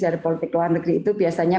dari politik luar negeri itu biasanya